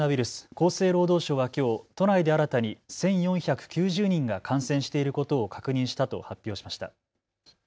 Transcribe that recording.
厚生労働省はきょう都内で新たに１４９０人が感染していることを確認したと発表しました。